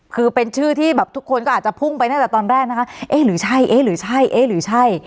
คือเป็นชื่อที่แบบทุกคนก็อาจจะพุ่งไปตั้งแต่ตอนแรกนะคะเอ๊ะหรือใช่เอ๊ะหรือใช่เอ๊ะหรือใช่